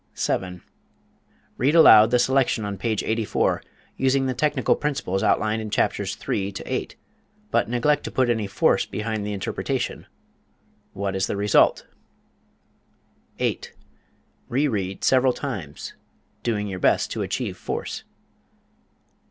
7. Read aloud the selection on page 84, using the technical principles outlined in chapters III to VIII, but neglect to put any force behind the interpretation. What is the result? 8. Reread several times, doing your best to achieve force.